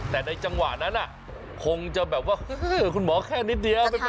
แต่ในจังหวะนั้นคงจะแบบว่าคุณหมอแค่นิดเดียว